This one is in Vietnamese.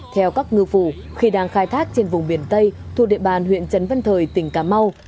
theo các ngư phủ khi đang khai thác trên vùng biển tây thuộc địa bàn huyện trấn văn thời tỉnh cà mau